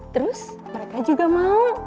terus mereka juga mau